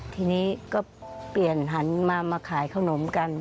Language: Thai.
ทีนี้ก็เปลี่ยนหันมามาขายขนมกัน